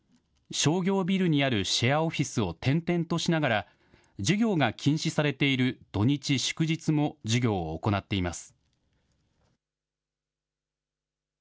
商業ビルにあるシェアオフィスを転々としながら、授業が禁止されている土日祝日も授業を行っています。